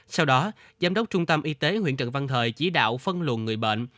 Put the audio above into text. sau đó giám đốc trung tâm y tế huyện trần văn thời chỉ đạo phân luận người bệnh